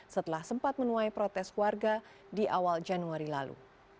setelah sempat menuai protes warga di awal januari lalu